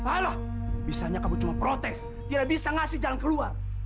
alo misalnya kamu cuma protes tidak bisa ngasih jalan keluar